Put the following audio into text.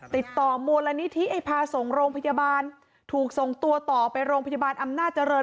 ติดต่อมูลนิธิให้พาส่งโรงพยาบาลถูกส่งตัวต่อไปโรงพยาบาลอำนาจเจริญ